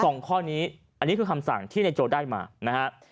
ข้อนี้อันนี้คือคำสั่งที่นายโจได้มานะฮะ